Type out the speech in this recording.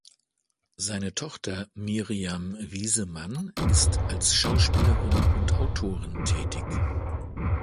Seine Tochter Mirjam Wiesemann ist als Schauspielerin und Autorin tätig.